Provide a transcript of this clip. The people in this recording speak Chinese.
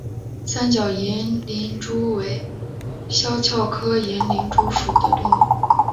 三角银鳞蛛为肖鞘科银鳞蛛属的动物。